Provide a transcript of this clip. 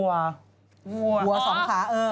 วัว๒ขาเออ